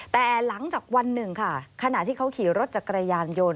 แต่หลังจากวันหนึ่งค่ะขณะที่เขาขี่รถจักรยานยนต์